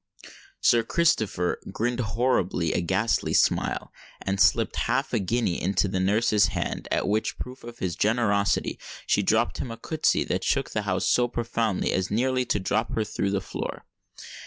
Sir Christopher "grinned horribly a ghastly smile," and slipped half a guinea into the nurse's hand, at which proof of his generosity she dropped him a curtsey that shook the house so profoundly as nearly to drop her through the floor.